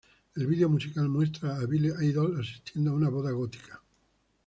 El video musical muestra a Billy Idol asistiendo a una boda gótica.